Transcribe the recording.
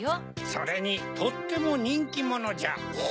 それにとってもにんきものじゃ。え？